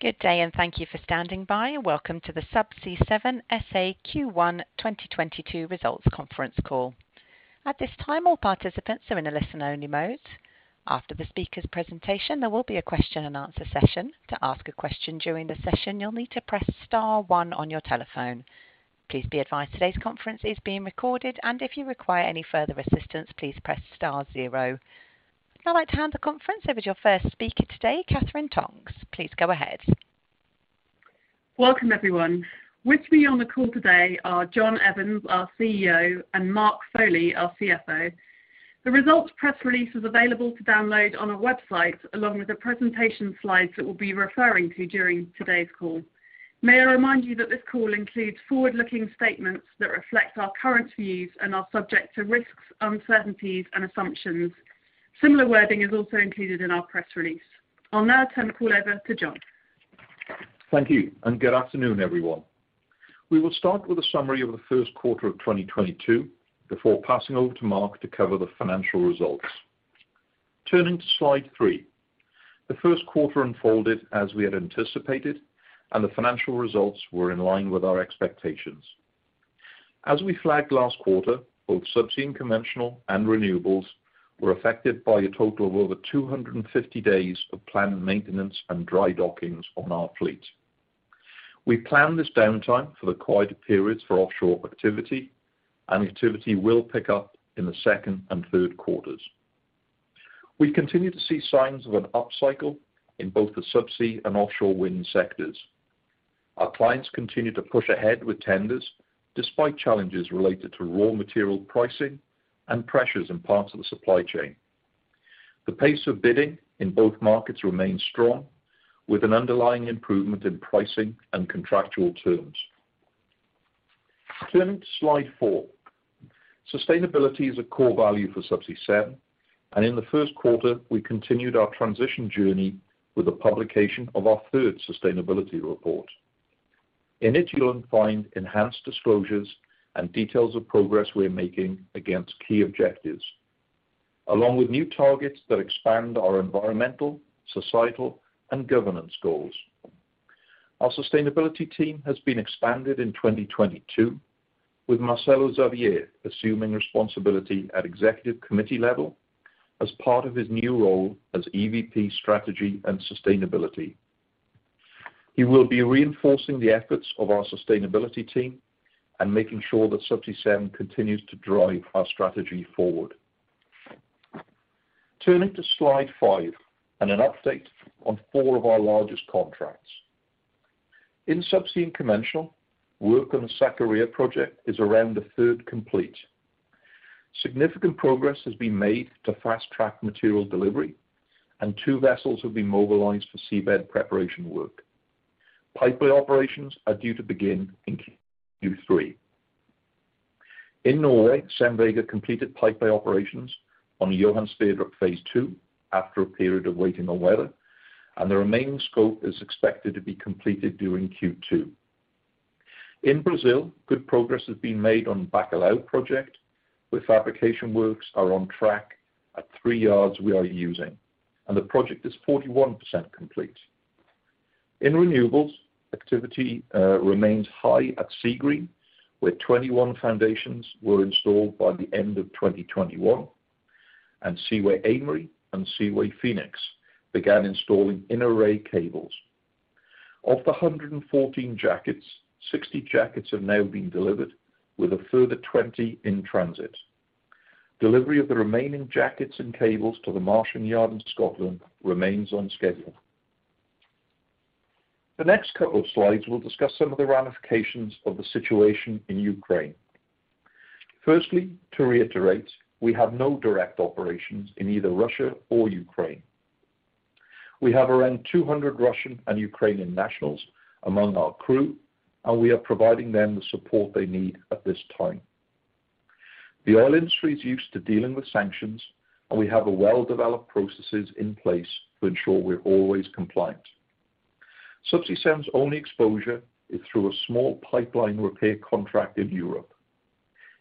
Good day, and thank you for standing by. Welcome to the Subsea 7 S.A. Q1 2022 Results Conference Call. At this time, all participants are in a listen-only mode. After the speaker's presentation, there will be a question and answer session. To ask a question during the session, you'll need to press star one on your telephone. Please be advised today's conference is being recorded, and if you require any further assistance, please press star zero. I'd like to hand the conference over to your first speaker today, Katherine Tonks. Please go ahead. Welcome, everyone. With me on the call today are John Evans, our CEO, and Mark Foley, our CFO. The results press release is available to download on our website, along with the presentation slides that we'll be referring to during today's call. May I remind you that this call includes forward-looking statements that reflect our current views and are subject to risks, uncertainties, and assumptions. Similar wording is also included in our press release. I'll now turn the call over to John. Thank you, and good afternoon, everyone. We will start with a summary of the first quarter of 2022 before passing over to Mark to cover the financial results. Turning to slide three. The first quarter unfolded as we had anticipated, and the financial results were in line with our expectations. As we flagged last quarter, both Subsea and Conventional and Renewables were affected by a total of over 250 days of planned maintenance and dry dockings on our fleet. We planned this downtime for the quieter periods for offshore activity, and activity will pick up in the second and third quarters. We continue to see signs of an upcycle in both the subsea and offshore wind sectors. Our clients continue to push ahead with tenders despite challenges related to raw material pricing and pressures in parts of the supply chain. The pace of bidding in both markets remains strong, with an underlying improvement in pricing and contractual terms. Turning to slide four. Sustainability is a core value for Subsea 7, and in the first quarter, we continued our transition journey with the publication of our third sustainability report. In it, you'll find enhanced disclosures and details of progress we are making against key objectives, along with new targets that expand our environmental, societal, and governance goals. Our sustainability team has been expanded in 2022, with Marcelo Xavier assuming responsibility at executive committee level as part of his new role as EVP Strategy and Sustainability. He will be reinforcing the efforts of our sustainability team and making sure that Subsea 7 continues to drive our strategy forward. Turning to slide 5 and an update on four of our largest contracts. In Subsea and Conventional, work on the Sakarya project is around a third complete. Significant progress has been made to fast-track material delivery, and two vessels have been mobilized for seabed preparation work. Pipeline operations are due to begin in Q3. In Norway, Seven Vega completed pipeline operations on the Johan Sverdrup phase II after a period of waiting on weather, and the remaining scope is expected to be completed during Q2. In Brazil, good progress has been made on Bacalhau project, with fabrication works on track at three yards we are using, and the project is 41% complete. In Renewables, activity remains high at Seagreen, where 21 foundations were installed by the end of 2021, and Seaway Aimery and Seaway Phoenix began installing inner array cables. Of the 114 jackets, 60 jackets have now been delivered with a further 20 in transit. Delivery of the remaining jackets and cables to the Nigg in Scotland remains on schedule. The next couple of slides will discuss some of the ramifications of the situation in Ukraine. Firstly, to reiterate, we have no direct operations in either Russia or Ukraine. We have around 200 Russian and Ukrainian nationals among our crew, and we are providing them the support they need at this time. The oil industry is used to dealing with sanctions, and we have well-developed processes in place to ensure we're always compliant. Subsea 7's only exposure is through a small pipeline repair contract in Europe.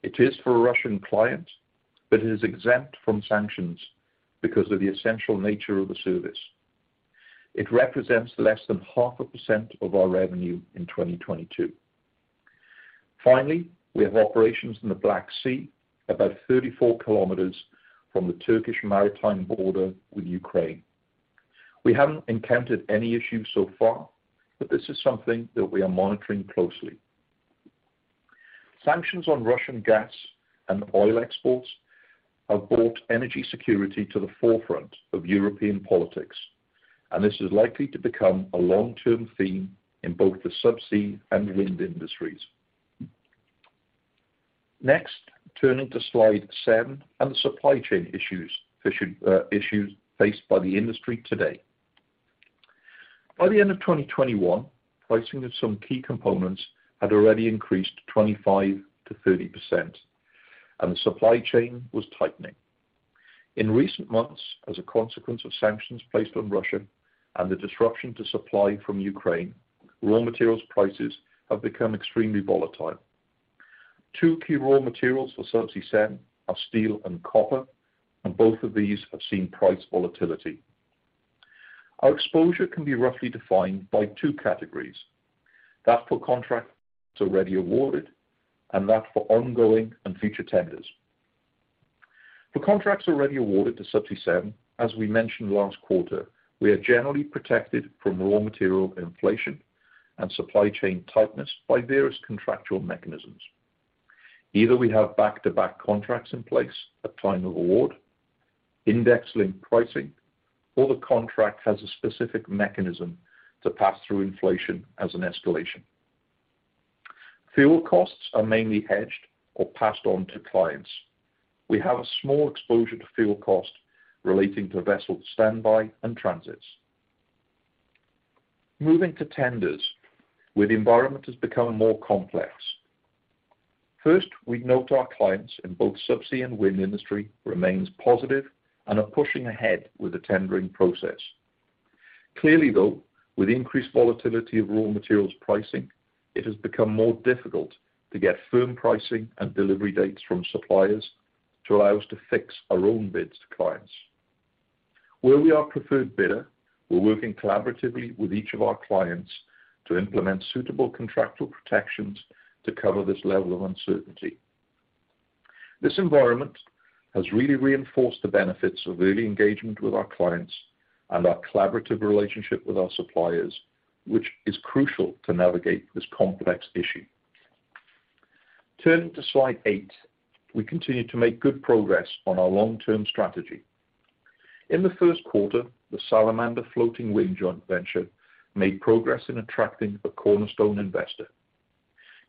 It is for a Russian client, but it is exempt from sanctions because of the essential nature of the service. It represents less than 0.5% of our revenue in 2022. Finally, we have operations in the Black Sea, about 34 km from the Turkish maritime border with Ukraine. We haven't encountered any issues so far, but this is something that we are monitoring closely. Sanctions on Russian gas and oil exports have brought energy security to the forefront of European politics, and this is likely to become a long-term theme in both the subsea and wind industries. Next, turning to slide seven on the supply chain issues faced by the industry today. By the end of 2021, pricing of some key components had already increased 25%-30%, and the supply chain was tightening. In recent months, as a consequence of sanctions placed on Russia and the disruption to supply from Ukraine, raw materials prices have become extremely volatile. Two key raw materials for Subsea 7 are steel and copper, and both of these have seen price volatility. Our exposure can be roughly defined by two categories. That for contracts already awarded and that for ongoing and future tenders. For contracts already awarded to Subsea 7, as we mentioned last quarter, we are generally protected from raw material inflation and supply chain tightness by various contractual mechanisms. Either we have back-to-back contracts in place at time of award, index-linked pricing, or the contract has a specific mechanism to pass through inflation as an escalation. Fuel costs are mainly hedged or passed on to clients. We have a small exposure to fuel cost relating to vessel standby and transits. Moving to tenders, where the environment has become more complex. First, we note our clients in both subsea and wind industry remains positive and are pushing ahead with the tendering process. Clearly, though, with increased volatility of raw materials pricing, it has become more difficult to get firm pricing and delivery dates from suppliers to allow us to fix our own bids to clients. Where we are preferred bidder, we're working collaboratively with each of our clients to implement suitable contractual protections to cover this level of uncertainty. This environment has really reinforced the benefits of early engagement with our clients and our collaborative relationship with our suppliers, which is crucial to navigate this complex issue. Turning to slide eight. We continue to make good progress on our long-term strategy. In the first quarter, the Salamander floating wind joint venture made progress in attracting a cornerstone investor.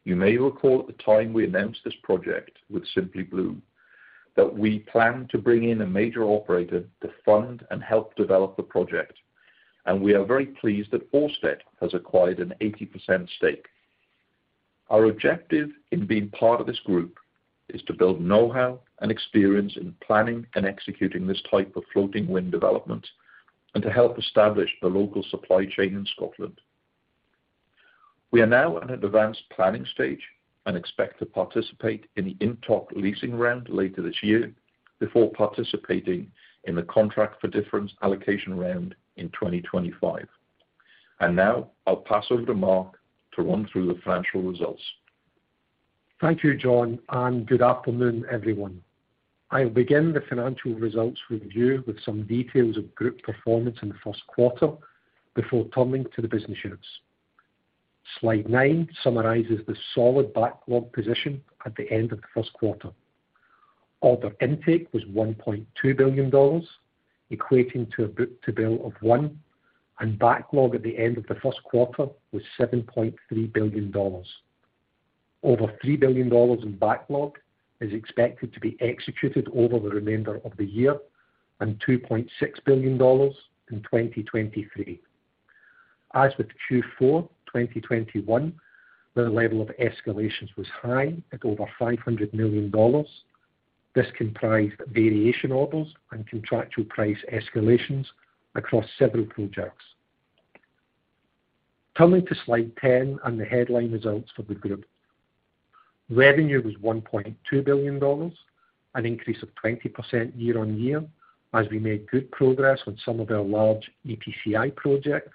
You may recall at the time we announced this project with Simply Blue, that we planned to bring in a major operator to fund and help develop the project, and we are very pleased that Ørsted has acquired an 80% stake. Our objective in being part of this group is to build know-how and experience in planning and executing this type of floating wind development and to help establish the local supply chain in Scotland. We are now at an advanced planning stage and expect to participate in the INTOG leasing round later this year before participating in the contract for difference allocation round in 2025. Now I'll pass over to Mark to run through the financial results. Thank you, John, and good afternoon, everyone. I'll begin the financial results review with some details of group performance in the first quarter before turning to the business units. Slide nine summarizes the solid backlog position at the end of the first quarter. Order intake was $1.2 billion, equating to a book-to-bill of 1, and backlog at the end of the first quarter was $7.3 billion. Over $3 billion in backlog is expected to be executed over the remainder of the year and $2.6 billion in 2023. As with Q4 2021, the level of escalations was high at over $500 million. This comprised variation orders and contractual price escalations across several projects. Turning to slide 10 and the headline results for the group. Revenue was $1.2 billion, an increase of 20% year-on-year, as we made good progress on some of our large EPCI projects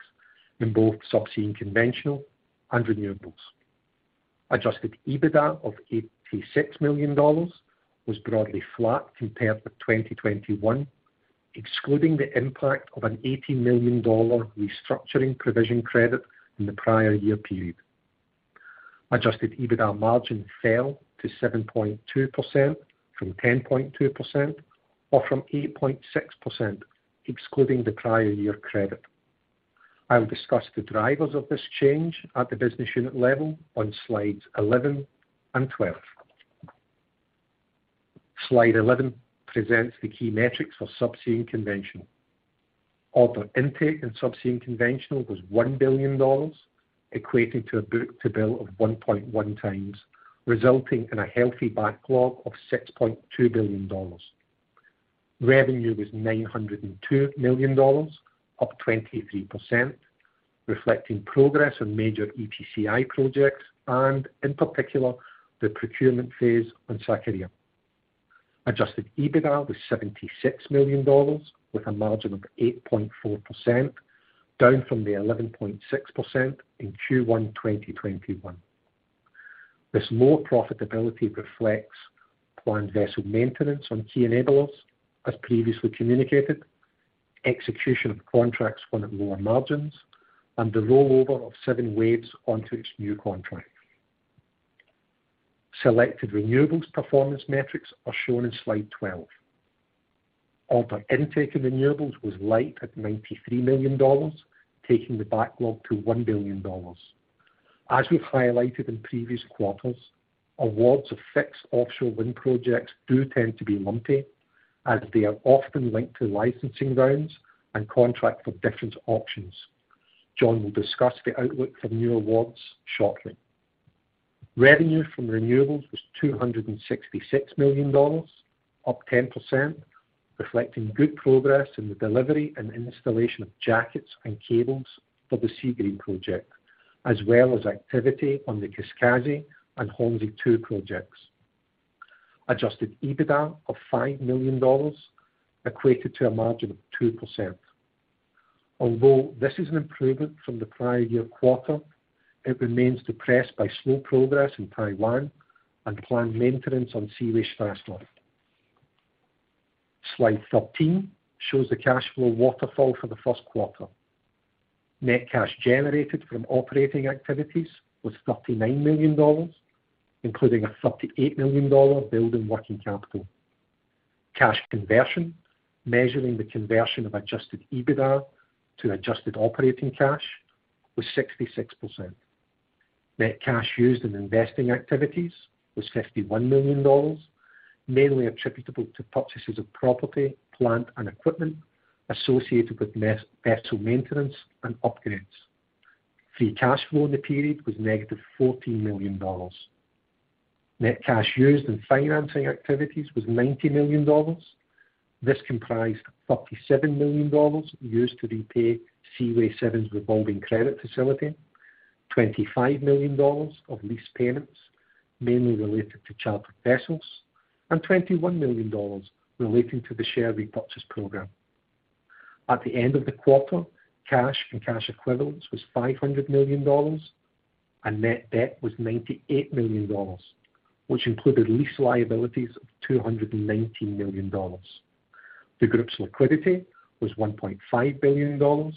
in both subsea and conventional and renewables. Adjusted EBITDA of $86 million was broadly flat compared with 2021, excluding the impact of an $80 million restructuring provision credit in the prior year period. Adjusted EBITDA margin fell to 7.2% from 10.2% or from 8.6% excluding the prior year credit. I will discuss the drivers of this change at the business unit level on slides 11 and 12. Slide 11 presents the key metrics for subsea and conventional. Order intake in subsea and conventional was $1 billion, equating to a book-to-bill of 1.1x, resulting in a healthy backlog of $6.2 billion. Revenue was $902 million, up 23%, reflecting progress on major EPCI projects and, in particular, the procurement phase on Sakarya. Adjusted EBITDA was $76 million with a margin of 8.4%, down from the 11.6% in Q1 2021. This low profitability reflects planned vessel maintenance on key enablers as previously communicated, execution of contracts won at lower margins, and the rollover of Seven Waves onto its new contract. Selected Renewables performance metrics are shown in slide 12. Order intake in Renewables was light at $93 million, taking the backlog to $1 billion. As we've highlighted in previous quarters, awards of fixed offshore wind projects do tend to be lumpy, as they are often linked to licensing rounds and contract for difference options. John will discuss the outlook for new awards shortly. Revenue from Renewables was $266 million, up 10%. Reflecting good progress in the delivery and installation of jackets and cables for the Seagreen project, as well as activity on the Kaskasi and Hornsea Two projects. Adjusted EBITDA of $5 million equated to a margin of 2%. Although this is an improvement from the prior year quarter, it remains depressed by slow progress in Taiwan and planned maintenance on Seaway Strashnov. Slide 13 shows the cash flow waterfall for the first quarter. Net cash generated from operating activities was $39 million, including a $38 million build in working capital. Cash conversion, measuring the conversion of adjusted EBITDA to adjusted operating cash was 66%. Net cash used in investing activities was $51 million, mainly attributable to purchases of property, plant, and equipment associated with vessel maintenance and upgrades. Free cash flow in the period was $-14 million. Net cash used in financing activities was $90 million. This comprised $37 million used to repay Seaway 7's revolving credit facility, $25 million of lease payments mainly related to chartered vessels, and $21 million relating to the share repurchase program. At the end of the quarter, cash and cash equivalents was $500 million, and net debt was $98 million, which included lease liabilities of $219 million. The group's liquidity was $1.5 billion,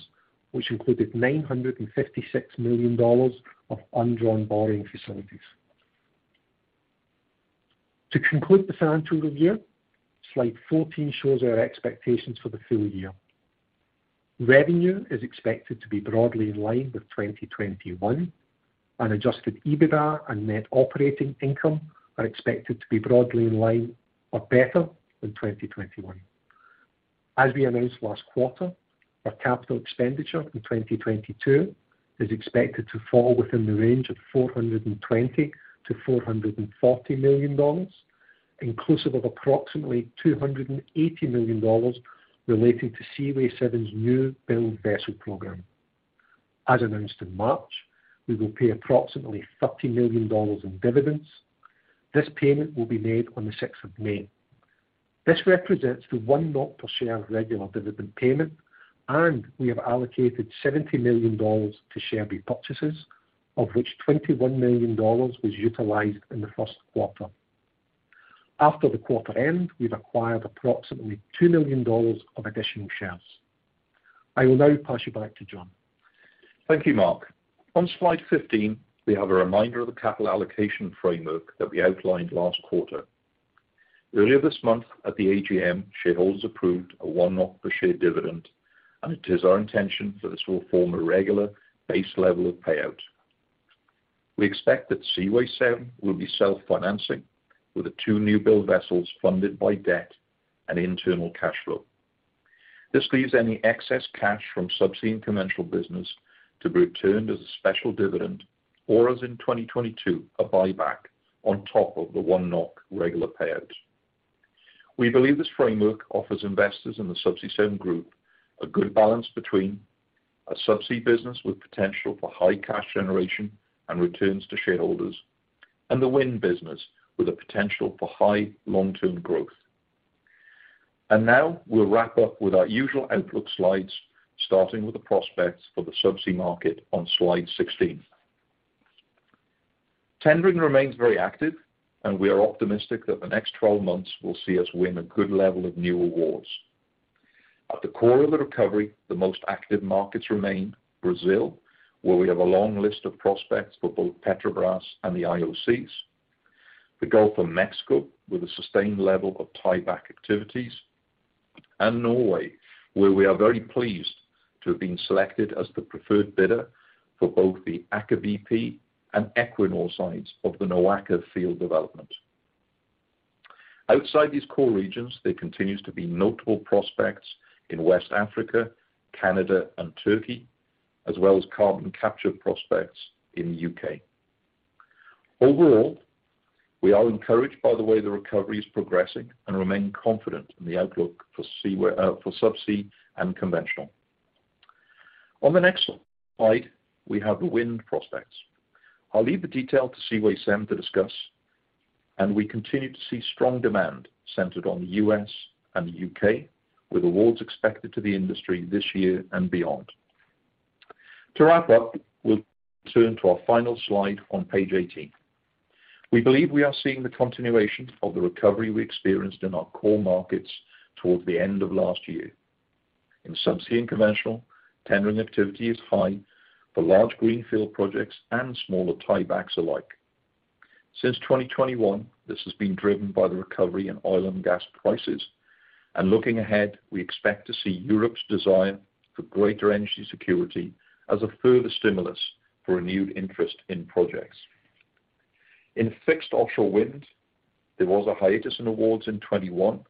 which included $956 million of undrawn borrowing facilities. To conclude the financial review, slide 14 shows our expectations for the full year. Revenue is expected to be broadly in line with 2021, and adjusted EBITDA and net operating income are expected to be broadly in line or better than 2021. Our capital expenditure in 2022 is expected to fall within the range of $420 million-$440 million, inclusive of approximately $280 million relating to Seaway 7's new build vessel program. We will pay approximately $30 million in dividends. This payment will be made on the sixth of May. This represents the 1 per share regular dividend payment, and we have allocated $70 million to share repurchases, of which $21 million was utilized in the first quarter. After the quarter end, we've acquired approximately $2 million of additional shares. I will now pass you back to John. Thank you, Mark. On slide 15, we have a reminder of the capital allocation framework that we outlined last quarter. Earlier this month, at the AGM, shareholders approved a NOK 1 per share dividend, and it is our intention that this will form a regular base level of payout. We expect that Seaway 7 will be self-financing with the two new build vessels funded by debt and internal cash flow. This leaves any excess cash from Subsea and Conventional business to be returned as a special dividend, or as in 2022, a buyback on top of the NOK 1 regular payout. We believe this framework offers investors in the Subsea 7 group a good balance between a subsea business with potential for high cash generation and returns to shareholders, and the wind business with a potential for high long-term growth. Now we'll wrap up with our usual outlook slides, starting with the prospects for the subsea market on slide 16. Tendering remains very active, and we are optimistic that the next 12 months will see us win a good level of new awards. At the core of the recovery, the most active markets remain Brazil, where we have a long list of prospects for both Petrobras and the IOCs, the Gulf of Mexico, with a sustained level of tieback activities, and Norway, where we are very pleased to have been selected as the preferred bidder for both the Aker BP and Equinor sides of the NOAKA field development. Outside these core regions, there continues to be notable prospects in West Africa, Canada, and Turkey, as well as carbon capture prospects in the U.K.. Overall, we are encouraged by the way the recovery is progressing and remain confident in the outlook for Subsea and Conventional. On the next slide, we have the wind prospects. I'll leave the detail to Seaway 7 to discuss, and we continue to see strong demand centered on the U.S. and the U.K., with awards expected to the industry this year and beyond. To wrap up, we'll turn to our final slide on page 18. We believe we are seeing the continuation of the recovery we experienced in our core markets towards the end of last year. In Subsea and Conventional, tendering activity is high for large greenfield projects and smaller tiebacks alike. Since 2021, this has been driven by the recovery in oil and gas prices, and looking ahead, we expect to see Europe's desire for greater energy security as a further stimulus for renewed interest in projects. In fixed offshore wind, there was a hiatus in awards in 2021,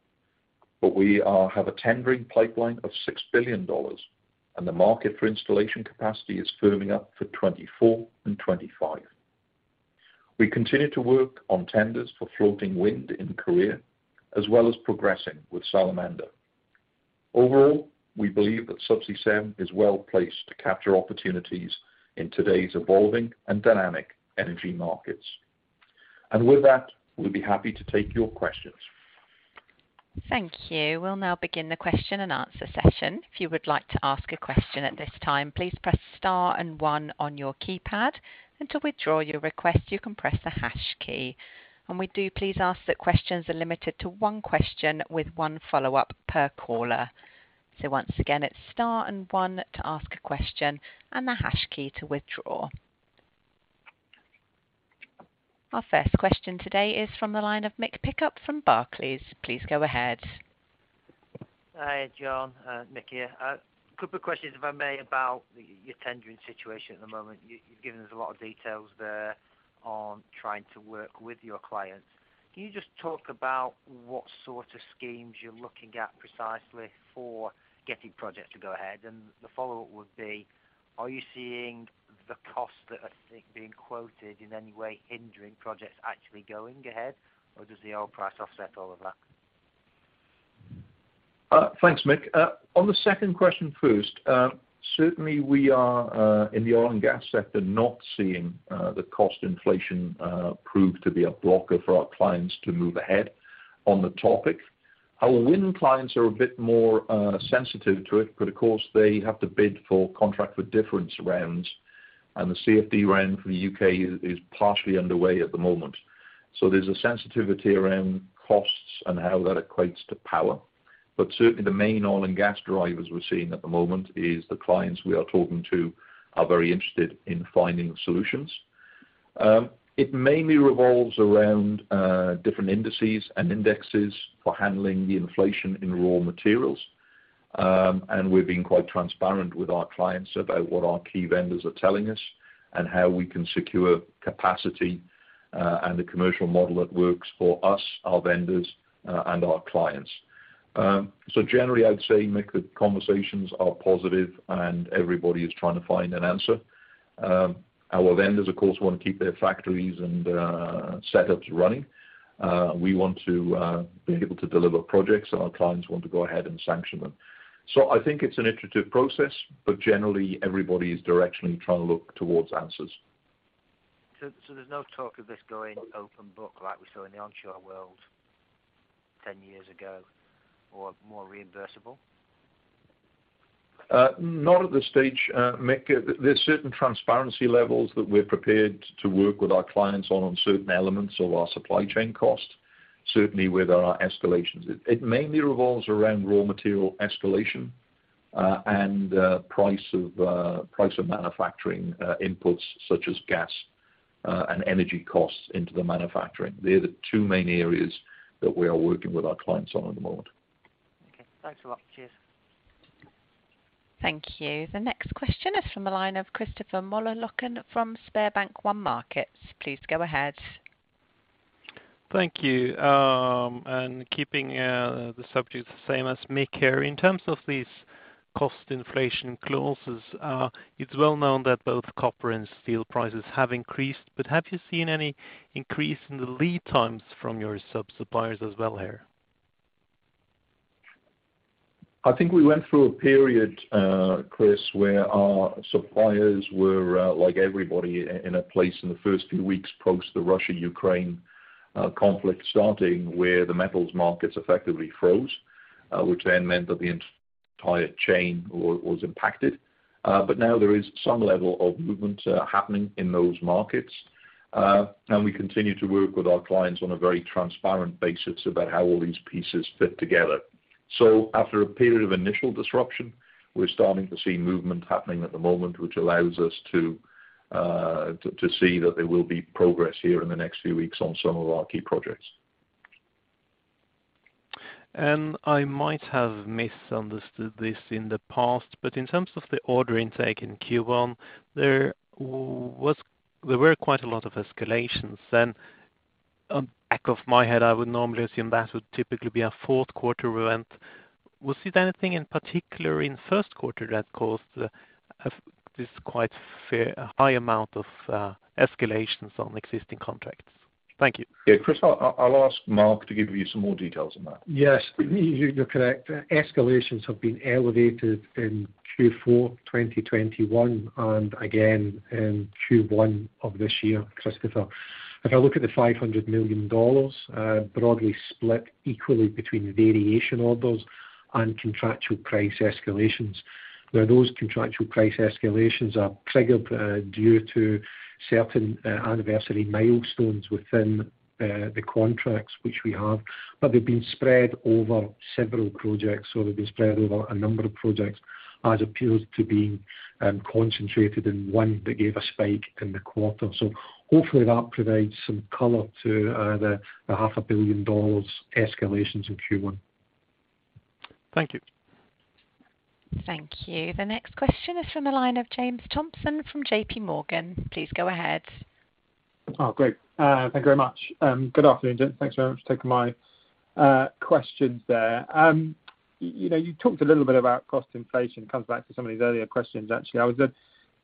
but we have a tendering pipeline of $6 billion, and the market for installation capacity is firming up for 2024 and 2025. We continue to work on tenders for floating wind in Korea, as well as progressing with Salamander. Overall, we believe that Subsea 7 is well-placed to capture opportunities in today's evolving and dynamic energy markets. With that, we'll be happy to take your questions. Thank you. We'll now begin the question-and-answer session. If you would like to ask a question at this time, please press star and one on your keypad. And to withdraw your request, you can press the Hash key. And we do please ask that questions are limited to one question with one follow-up per caller. Once again, it's star and one to ask a question and the Hash key to withdraw. Our first question today is from the line of Mick Pickup from Barclays. Please go ahead. Hi, John. Mick here. A couple questions, if I may, about your tendering situation at the moment. You've given us a lot of details there on trying to work with your clients. Can you just talk about what sort of schemes you're looking at precisely for getting projects to go ahead? The follow-up would be, are you seeing the costs that are, I think, being quoted in any way hindering projects actually going ahead, or does the oil price offset all of that? Thanks, Mick. On the second question first, certainly we are in the oil and gas sector not seeing the cost inflation prove to be a blocker for our clients to move ahead on the topic. Our wind clients are a bit more sensitive to it, but of course, they have to bid for contract for difference rounds, and the CFD round for the U.K. is partially underway at the moment. So there's a sensitivity around costs and how that equates to power. But certainly the main oil and gas drivers we're seeing at the moment is the clients we are talking to are very interested in finding solutions. It mainly revolves around different indices and indexes for handling the inflation in raw materials. We're being quite transparent with our clients about what our key vendors are telling us and how we can secure capacity, and the commercial model that works for us, our vendors, and our clients. Generally I'd say, Mick, the conversations are positive and everybody is trying to find an answer. Our vendors of course want to keep their factories and setups running. We want to be able to deliver projects, and our clients want to go ahead and sanction them. I think it's an iterative process, but generally everybody is directionally trying to look towards answers. there's no talk of this going open book like we saw in the onshore world ten years ago or more reimbursable? Not at this stage, Mick. There's certain transparency levels that we're prepared to work with our clients on certain elements of our supply chain cost, certainly with our escalations. It mainly revolves around raw material escalation, and price of manufacturing inputs such as gas, and energy costs into the manufacturing. They're the two main areas that we are working with our clients on at the moment. Okay. Thanks a lot. Cheers. Thank you. The next question is from the line of Christopher Møller-Løkken from SpareBank 1 Markets. Please go ahead. Thank you. Keeping the subject the same as Mick here, in terms of these cost inflation clauses, it's well known that both copper and steel prices have increased, but have you seen any increase in the lead times from your sub-suppliers as well here? I think we went through a period, Chris, where our suppliers were, like everybody in a place in the first few weeks post the Russia-Ukraine conflict starting, where the metals markets effectively froze, which then meant that the entire chain was impacted. But now there is some level of movement happening in those markets. And we continue to work with our clients on a very transparent basis about how all these pieces fit together. After a period of initial disruption, we're starting to see movement happening at the moment, which allows us to see that there will be progress here in the next few weeks on some of our key projects. I might have misunderstood this in the past, but in terms of the order intake in Q1, there were quite a lot of escalations. Off the back of my head, I would normally assume that would typically be a fourth quarter event. Was it anything in particular in first quarter that caused this quite a high amount of escalations on existing contracts? Thank you. Yeah, Chris, I'll ask Mark to give you some more details on that. Yes. You're correct. Escalations have been elevated in Q4 2021 and again in Q1 of this year, Christopher. If I look at the $500 million, broadly split equally between variation orders and contractual price escalations. Now those contractual price escalations are triggered due to certain anniversary milestones within the contracts which we have, but they've been spread over several projects or they've been spread over a number of projects as opposed to being concentrated in one that gave a spike in the quarter. Hopefully that provides some color to the $500 million escalations in Q1. Thank you. Thank you. The next question is from the line of James Thompson from J.P. Morgan. Please go ahead. Oh, great. Thank you very much. Good afternoon, gents. Thanks very much for taking my questions there. You know, you talked a little bit about cost inflation. Comes back to some of these earlier questions, actually.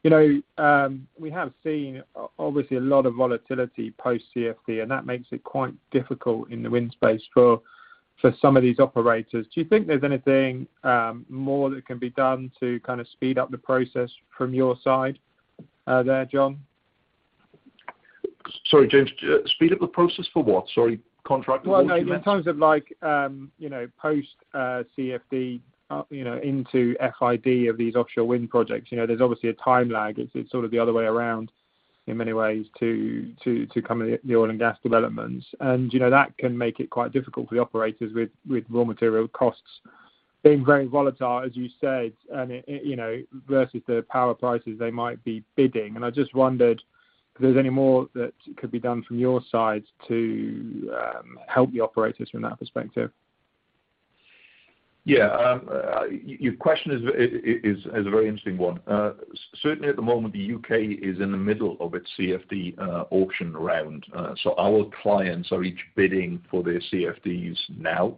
You know, we have seen obviously a lot of volatility post CFD, and that makes it quite difficult in the wind space for some of these operators. Do you think there's anything more that can be done to kind of speed up the process from your side, there, John? Sorry, James, speed up the process for what? Sorry. Contract awards? Well, no. In terms of like, you know, post, CFD, you know, into FID of these offshore wind projects. You know, there's obviously a time lag. It's sort of the other way around in many ways to kind of the oil and gas developments. You know, that can make it quite difficult for the operators with raw material costs being very volatile, as you said, and it, you know, versus the power prices they might be bidding. I just wondered if there's any more that could be done from your side to help the operators from that perspective. Your question is a very interesting one. Certainly at the moment, the U.K. is in the middle of its CFD auction round. Our clients are each bidding for their CFDs now,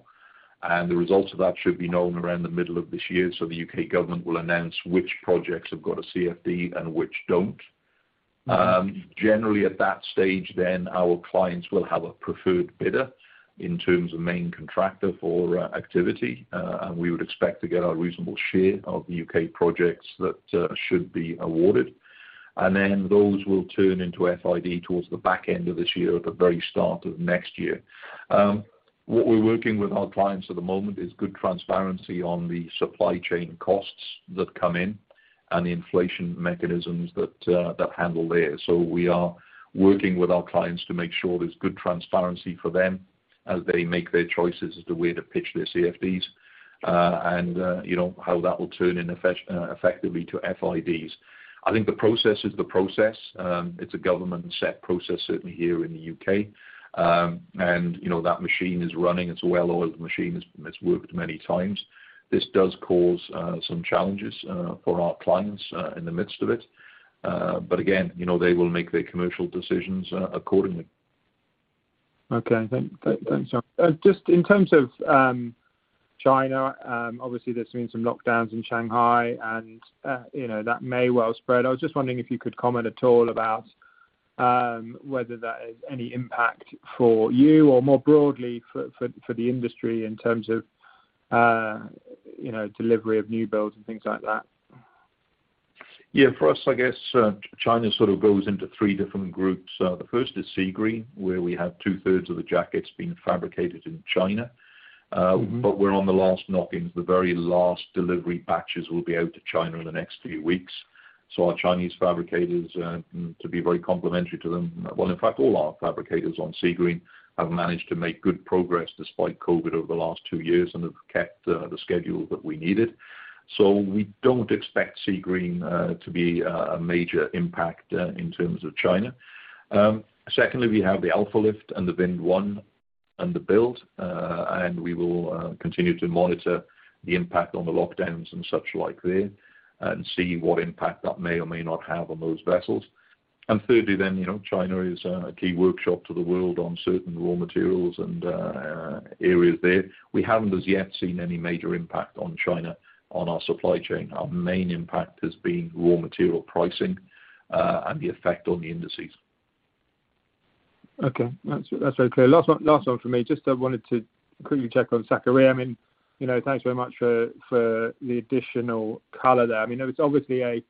and the results of that should be known around the middle of this year. The U.K. government will announce which projects have got a CFD and which don't. Generally at that stage, our clients will have a preferred bidder in terms of main contractor for activity. We would expect to get a reasonable share of the U.K. projects that should be awarded. Those will turn into FID towards the back end of this year or the very start of next year. What we're working with our clients at the moment is good transparency on the supply chain costs that come in and the inflation mechanisms that handle there. We are working with our clients to make sure there's good transparency for them as they make their choices as the way to pitch their CFDs, and you know, how that will turn in effectively to FIDs. I think the process is the process. It's a government set process, certainly here in the UK. You know, that machine is running. It's a well-oiled machine. It's worked many times. This does cause some challenges for our clients in the midst of it. Again, you know, they will make their commercial decisions accordingly. Okay. Thanks, John. Just in terms of China, obviously there's been some lockdowns in Shanghai and, you know, that may well spread. I was just wondering if you could comment at all about whether that has any impact for you or more broadly for the industry in terms of, you know, delivery of new builds and things like that. Yeah. For us, I guess, China sort of goes into three different groups. The first is Seagreen, where we have two-thirds of the jackets being fabricated in China. Mm-hmm We're on the last knockings. The very last delivery batches will be out to China in the next few weeks. Our Chinese fabricators, to be very complimentary to them, well, in fact, all our fabricators on Seagreen have managed to make good progress despite COVID over the last two years and have kept the schedule that we needed. We don't expect Seagreen to be a major impact in terms of China. Secondly, we have the Alfa Lift and the Ventus under build. We will continue to monitor the impact on the lockdowns and such like there and see what impact that may or may not have on those vessels. Thirdly then, you know, China is a key workshop to the world on certain raw materials and areas there. We haven't as yet seen any major impact from China on our supply chain. Our main impact has been raw material pricing, and the effect on the indices. Okay. That's very clear. Last one from me. Just wanted to quickly check on Sakarya. I mean, you know, thanks very much for the additional color there. I mean, there was obviously a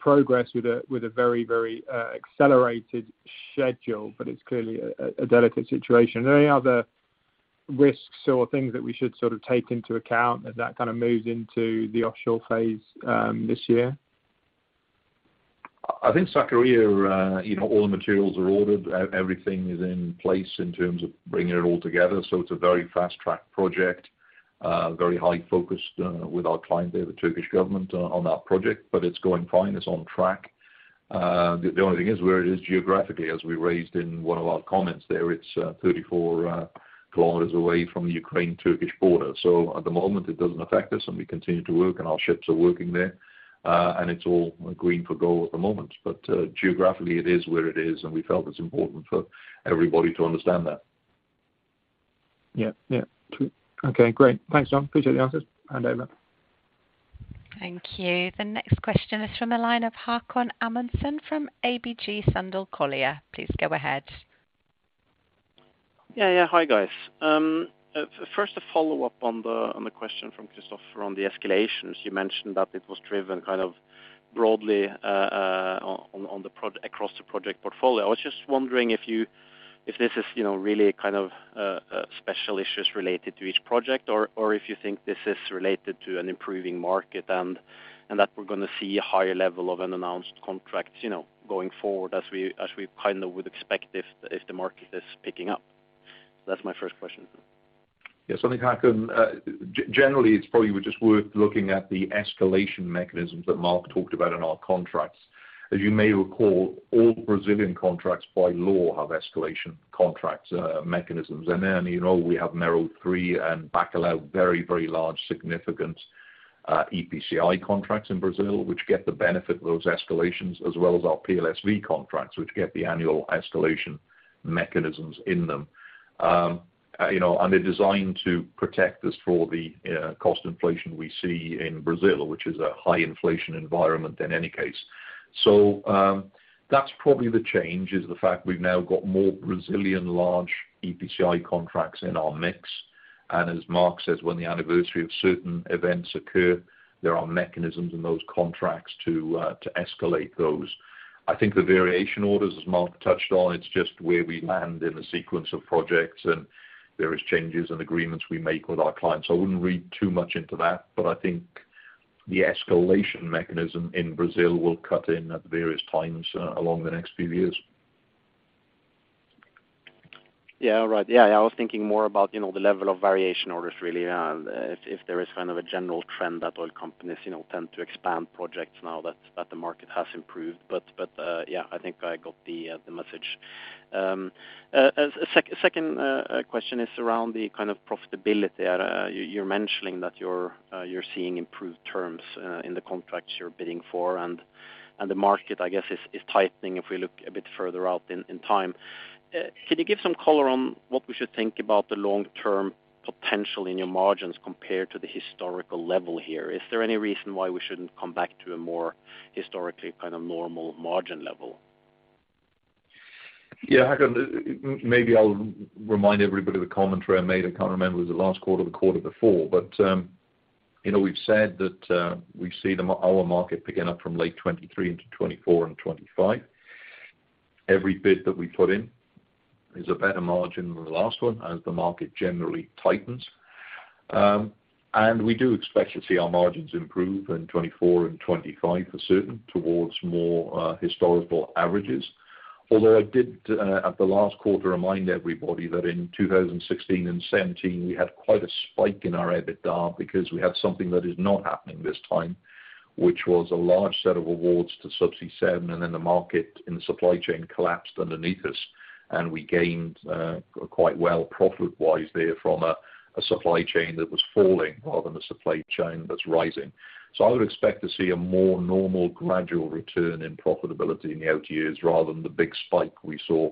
progress with a very accelerated schedule, but it's clearly a delicate situation. Are there any other risks or things that we should sort of take into account as that kind of moves into the offshore phase this year? I think Sakarya, you know, all the materials are ordered. Everything is in place in terms of bringing it all together, so it's a very fast-tracked project. Very highly focused with our client there, the Turkish government, on that project, but it's going fine. It's on track. The only thing is where it is geographically, as we raised in one of our comments there. It's 34 km away from the Ukraine-Turkey border. So at the moment it doesn't affect us, and we continue to work, and our ships are working there. And it's all green for go at the moment. Geographically it is where it is, and we felt it's important for everybody to understand that. Yeah. Okay, great. Thanks, John. Appreciate the answers. Hand over. Thank you. The next question is from the line of Haakon Amundsen from ABG Sundal Collier. Please go ahead. Yeah. Hi, guys. First a follow-up on the question from Christopher on the escalations. You mentioned that it was driven kind of broadly across the project portfolio. I was just wondering if you, if this is, you know, really kind of special issues related to each project, or if you think this is related to an improving market and that we're gonna see a higher level of unannounced contracts, you know, going forward as we kind of would expect if the market is picking up. That's my first question. Yeah. I think, Haakon, generally it's probably just worth looking at the escalation mechanisms that Mark talked about in our contracts. As you may recall, all Brazilian contracts by law have escalation mechanisms. You know, we have Mero Three and Bacalhau, very, very large, significant EPCI contracts in Brazil, which get the benefit of those escalations, as well as our PLSV contracts, which get the annual escalation mechanisms in them. You know, they're designed to protect us for the cost inflation we see in Brazil, which is a high inflation environment in any case. That's probably the change, is the fact we've now got more Brazilian large EPCI contracts in our mix. As Mark says, when the anniversary of certain events occur, there are mechanisms in those contracts to escalate those. I think the variation orders, as Mark touched on, it's just where we land in the sequence of projects, and there is changes in agreements we make with our clients. I wouldn't read too much into that, but I think the escalation mechanism in Brazil will cut in at various times along the next few years. Yeah. All right. Yeah, I was thinking more about, you know, the level of variation orders really, and if there is kind of a general trend that oil companies, you know, tend to expand projects now that that the market has improved. I think I got the message. A second question is around the kind of profitability. You're mentioning that you're seeing improved terms in the contracts you're bidding for and the market, I guess, is tightening if we look a bit further out in time. Can you give some color on what we should think about the long-term potential in your margins compared to the historical level here? Is there any reason why we shouldn't come back to a more historically kind of normal margin level? Yeah. Haakon, maybe I'll remind everybody of the commentary I made. I can't remember if it was the last quarter or the quarter before. You know, we've said that we see our market picking up from late 2023 into 2024 and 2025. Every bid that we put in is a better margin than the last one as the market generally tightens. We do expect to see our margins improve in 2024 and 2025 for certain towards more historical averages. Although I did at the last quarter remind everybody that in 2016 and 2017, we had quite a spike in our EBITDA because we had something that is not happening this time, which was a large set of awards to Subsea 7, and then the market and the supply chain collapsed underneath us, and we gained quite well profit-wise there from a supply chain that was falling rather than a supply chain that's rising. I would expect to see a more normal gradual return in profitability in the out years rather than the big spike we saw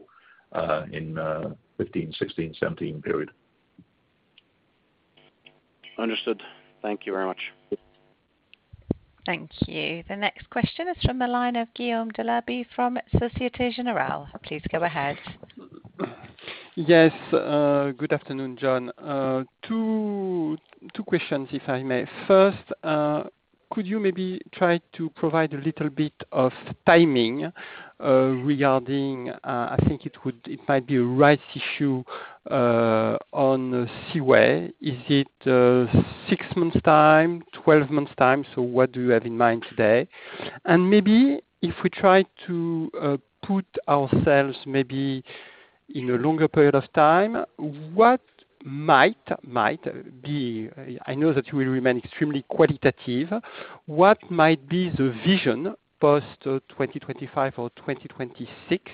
in 2015, 2016, 2017 period. Understood. Thank you very much. Thank you. The next question is from the line of Guillaume Delaby from Société Générale. Please go ahead. Yes. Good afternoon, John. Two questions, if I may. First, could you maybe try to provide a little bit of timing regarding it might be a rights issue on Seaway. Is it six months time, 12 months time? So what do you have in mind today? Maybe if we try to put ourselves maybe in a longer period of time, what might be the vision post 2025 or 2026?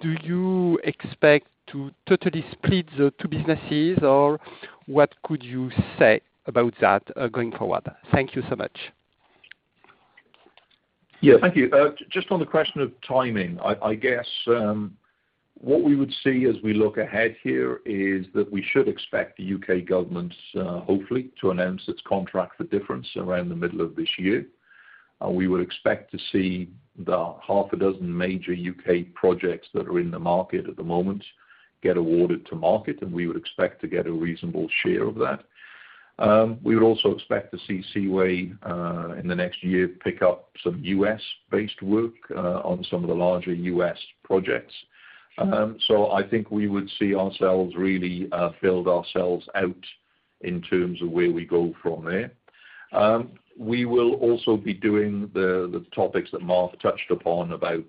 Do you expect to totally split the two businesses, or what could you say about that going forward? Thank you so much. Yeah, thank you. Just on the question of timing, I guess what we would see as we look ahead here is that we should expect the U.K. government, hopefully to announce its contract for difference around the middle of this year. We would expect to see the six major U.K. projects that are in the market at the moment get awarded to market, and we would expect to get a reasonable share of that. We would also expect to see Seaway 7 in the next year pick up some U.S.-based work on some of the larger U.S. projects. I think we would see ourselves really build ourselves out in terms of where we go from there. We will also be doing the topics that Mark touched upon about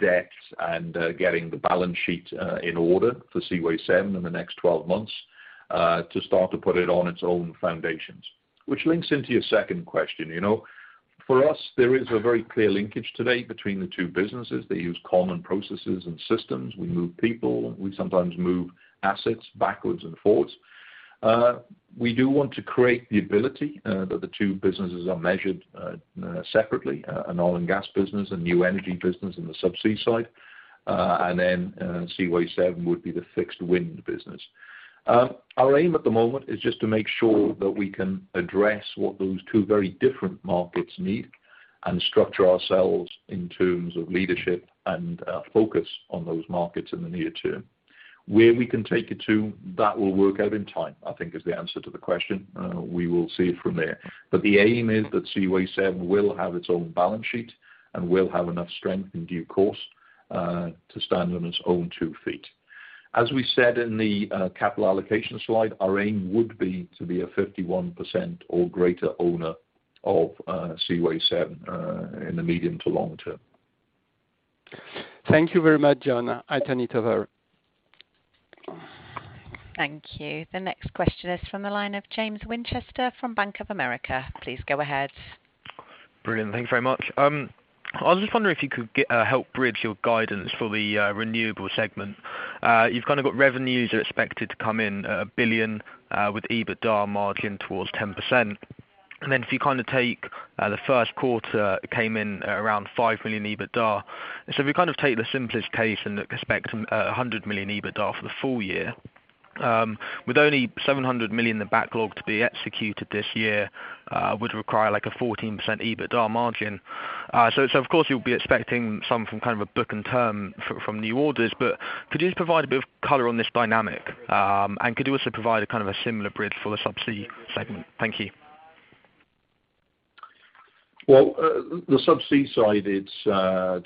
debt and getting the balance sheet in order for Seaway 7 in the next 12 months to start to put it on its own foundations. Which links into your second question. You know, for us, there is a very clear linkage today between the two businesses. They use common processes and systems. We move people. We sometimes move assets backwards and forwards. We do want to create the ability that the two businesses are measured separately, an oil and gas business, a new energy business in the subsea side, and then Seaway 7 would be the fixed wind business. Our aim at the moment is just to make sure that we can address what those two very different markets need and structure ourselves in terms of leadership and focus on those markets in the near term. Where we can take it to, that will work out in time, I think is the answer to the question. We will see it from there. The aim is that Seaway 7 will have its own balance sheet and will have enough strength in due course to stand on its own two feet. As we said in the capital allocation slide, our aim would be to be a 51% or greater owner of Seaway 7 in the medium to long term. Thank you very much, John. I turn it over. Thank you. The next question is from the line of James Winchester from Bank of America. Please go ahead. Brilliant. Thank you very much. I was just wondering if you could help bridge your guidance for the renewable segment. You've kinda got revenues are expected to come in $1 billion with EBITDA margin towards 10%. If you kinda take the first quarter came in around $5 million EBITDA. If you kind of take the simplest case and expect $100 million EBITDA for the full year with only $700 million in the backlog to be executed this year would require like a 14% EBITDA margin. Of course you'll be expecting some from kind of a book-to-bill from new orders, but could you just provide a bit of color on this dynamic? Could you also provide a kind of a similar bridge for the subsea segment? Thank you. Well, the Subsea side, it's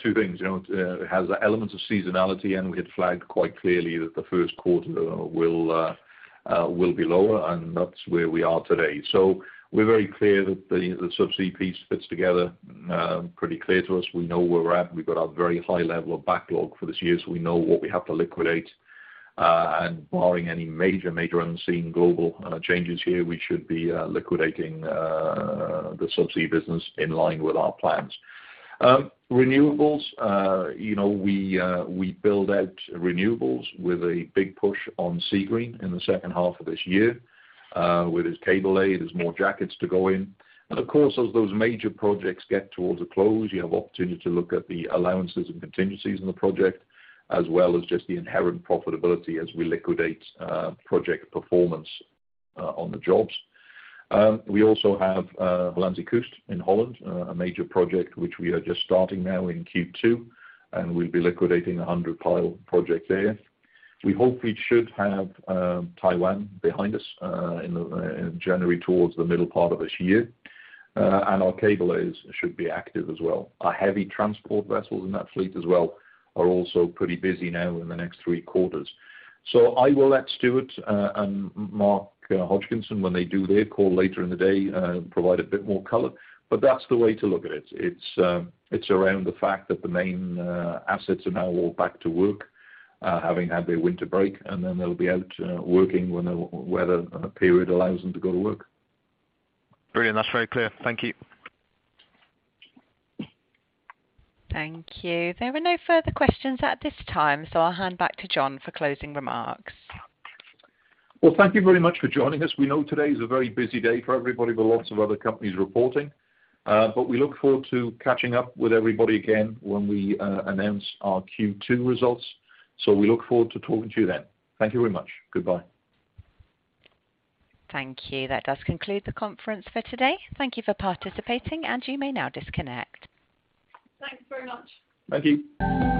two things, you know. It has elements of seasonality, and we had flagged quite clearly that the first quarter will be lower, and that's where we are today. We're very clear that the Subsea piece fits together, pretty clear to us. We know where we're at. We've got a very high level of backlog for this year, so we know what we have to liquidate. Barring any major unseen global changes here, we should be liquidating the Subsea business in line with our plans. Renewables, you know, we build out Renewables with a big push on Seagreen in the second half of this year, where there's cable lay, there's more jackets to go in. Of course, as those major projects get towards a close, you have opportunity to look at the allowances and contingencies in the project, as well as just the inherent profitability as we liquidate project performance on the jobs. We also have Hollandse Kust in Holland, a major project which we are just starting now in Q2, and we'll be liquidating a 100 pile project there. We hope we should have Taiwan behind us in January towards the middle part of this year. Our cable lays should be active as well. Our heavy transport vessels in that fleet as well are also pretty busy now in the next three quarters. I will let Stuart and Mark Hodgkinson, when they do their call later in the day, provide a bit more color, but that's the way to look at it. It's around the fact that the main assets are now all back to work, having had their winter break, and then they'll be out working when the weather period allows them to go to work. Brilliant. That's very clear. Thank you. Thank you. There are no further questions at this time, so I'll hand back to John for closing remarks. Well, thank you very much for joining us. We know today is a very busy day for everybody with lots of other companies reporting, but we look forward to catching up with everybody again when we announce our Q2 results. We look forward to talking to you then. Thank you very much. Goodbye. Thank you. That does conclude the conference for today. Thank you for participating, and you may now disconnect. Thanks very much. Thank you.